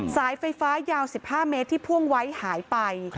สายไฟฟ้ายาว๑๕เมตรที่พ่วงไว้หายไป